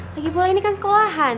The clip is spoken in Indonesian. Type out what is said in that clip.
lagi pula ini kan sekolahan